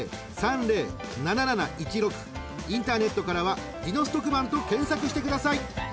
［インターネットからは『ディノス特番』と検索してください］